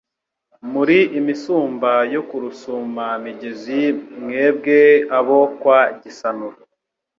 Muri imisumba yo ku Rusuma-migezi, Mwebwe abo kwa Gisanura